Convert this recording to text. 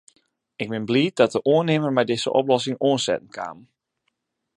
Ik bin bliid dat de oannimmer mei dizze oplossing oansetten kaam.